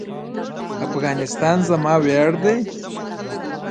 افغانستان زما ویاړ دی؟